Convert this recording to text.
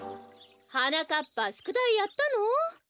はなかっぱしゅくだいやったの？